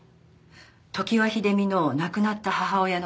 常盤秀美の亡くなった母親の事。